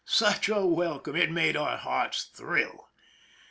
Such a ^^relcome ! It made our hearts thrill.